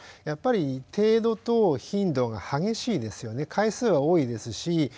やっぱり程度と頻度が激しいですよね回数は多いですし。